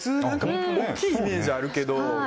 大きいイメージあるけど。